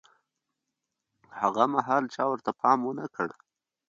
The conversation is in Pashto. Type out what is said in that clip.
هاغه مهال چا ورته پام ونه کړ.